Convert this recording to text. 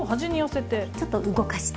ちょっと動かして。